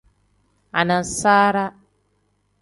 Anasaara.